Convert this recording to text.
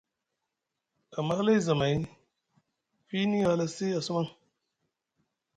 Amma hlay zamay, fiini a halasi a sumaŋ,